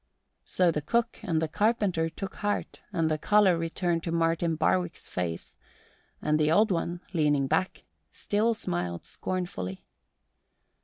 So the cook and the carpenter took heart; and the colour returned to Martin Barwick's face; and the Old One, leaning back, still smiled scornfully.